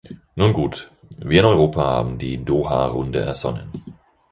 Nun gut, wir in Europa haben die Doha-Runde ersonnen.